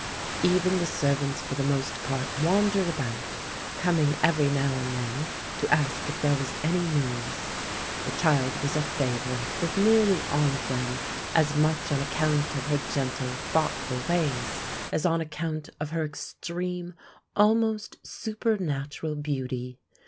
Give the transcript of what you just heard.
Even the servants for the most part wandered about, coming every now and then to ask if there was any news. The child was a favourite with nearly all of them, as much on account of her gentle thoughtful ways as on account of her extreme almost supernatural beauty.